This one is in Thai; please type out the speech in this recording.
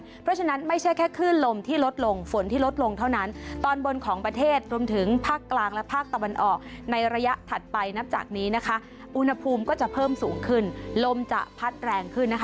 เพราะฉะนั้นไม่ใช่แค่คลื่นลมที่ลดลงฝนที่ลดลงเท่านั้นตอนบนของประเทศรวมถึงภาคกลางและภาคตะวันออกในระยะถัดไปนับจากนี้นะคะอุณหภูมิก็จะเพิ่มสูงขึ้นลมจะพัดแรงขึ้นนะคะ